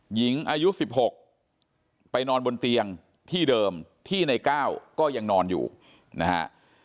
หญิงอายุ๑๖ไปนอนบนเตียงที่เดิมที่ในก้าวก็ยังนอนอยู่นะฮะ